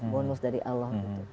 bonus dari allah